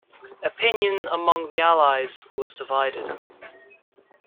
Opinion among the allies was divided.